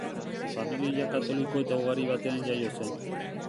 Familia katoliko eta ugari batean jaio zen.